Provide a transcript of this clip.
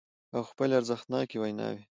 او خپلې ارزښتناکې ويناوې